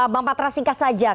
bang patra singkat saja